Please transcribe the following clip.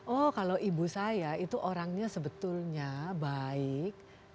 oh kalau ibu saya itu orangnya sebetulnya baik